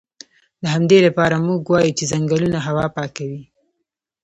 د همدې لپاره موږ وایو چې ځنګلونه هوا پاکوي